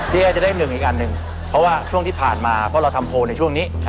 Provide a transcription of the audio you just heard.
ก็จะได้หนึ่งอีกอันหนึ่งเพราะว่าช่วงที่ผ่านมาเพราะเราทำโพลในช่วงนี้